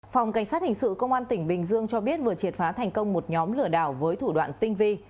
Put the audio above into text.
phòng cảnh sát hình sự công an tỉnh bình dương cho biết vừa triệt phá thành công một nhóm lừa đảo với thủ đoạn tinh vi